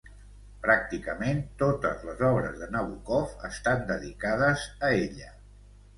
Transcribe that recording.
Pràcticament totes les obres de Nabókov estan dedicades a ella.